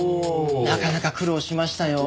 なかなか苦労しましたよ。